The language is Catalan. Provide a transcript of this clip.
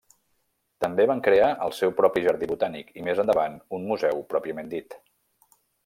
També van crear el seu propi jardí botànic i més endavant, un museu pròpiament dit.